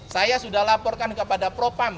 saya sudah laporkan kepada propam